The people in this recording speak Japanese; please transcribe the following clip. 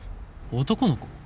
男の子？